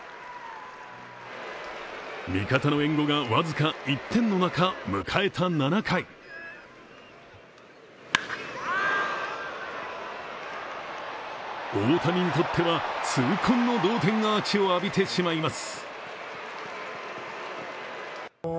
味方の援護が僅か１点の中迎えた７回大谷にとっては、痛恨の同点アーチを浴びてしまいます。